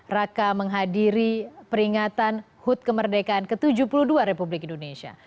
raka menghadiri peringatan hud kemerdekaan ke tujuh puluh dua republik indonesia